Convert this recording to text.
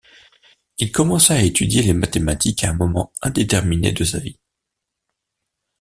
Il commença à étudier les mathématiques à un moment indéterminé de sa vie.